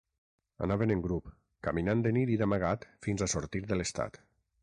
Anaven en grup, caminant de nit i d'amagat fins a sortir de l'estat.